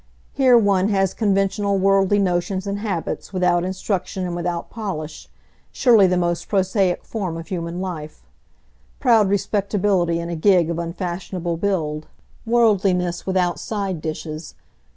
Here one has conventional worldly notions and habits without instruction and without polish, surely the most prosaic form of human life; proud respectability in a gig of unfashionable build; worldliness without side dishes.